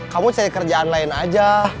kamu cari kerjaan lain aja